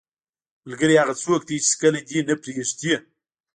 ملګری هغه څوک دی چې هیڅکله دې نه پرېږدي.